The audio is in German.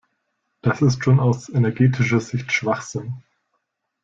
Das ist schon aus energetischer Sicht Schwachsinn.